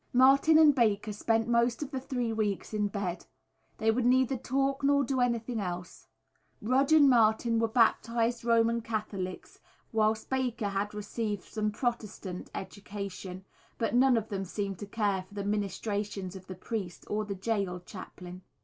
Martin and Baker spent most of the three weeks in bed. They would neither talk nor do anything else. Rudge and Martin were baptised Roman Catholics, whilst Baker had received some Protestant education, but none of them seemed to care for the ministrations of the priest or the gaol chaplain.